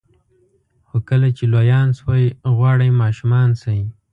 خو کله چې لویان شوئ غواړئ ماشومان شئ.